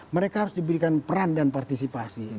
mereka harus diberikan peran dan partisipasi